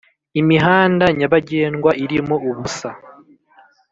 Imihanda nyabagendwa irimo ubusa,